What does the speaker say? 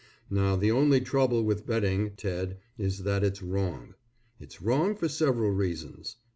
Now the only trouble with betting, Ted, is that it's wrong. It's wrong for several reasons.